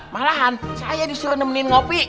malahan saya disuruh nemenin ngopi